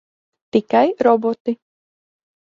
Tikai roboti.